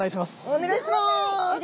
お願いします。